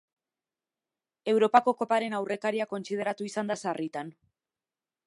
Europako Koparen aurrekaria kontsideratu izan da sarritan.